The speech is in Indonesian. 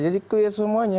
jadi clear semuanya